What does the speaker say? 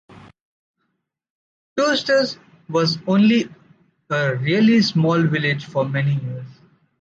Tosters was only a really small village for many years.